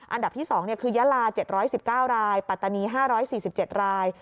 อันดับที่๒คือยาลา๗๑๙รายปัตตานี๕๔๗ราย